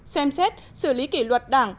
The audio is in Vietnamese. xem xét xử lý kỷ luật đảng